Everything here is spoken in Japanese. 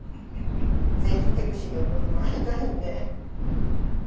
ぜひトゥルシーで覚えてもらいたいんで。